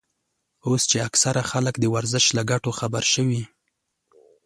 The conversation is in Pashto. اوس چې اکثره خلک د ورزش له ګټو خبر شوي.